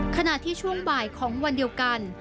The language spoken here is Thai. ขณะที่ช่วงบ่ายของวันเดียวกัน